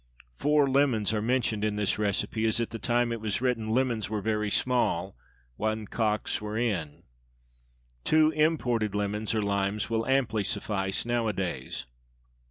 Four lemons are mentioned in this recipe, as at the time it was written lemons were very small when "cocks" were "in." Two imported lemons (or limes) will amply suffice nowadays.